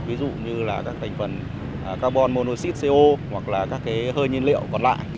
ví dụ như các thành phần carbon monoxide co hoặc là các hơi nhiên liệu còn lại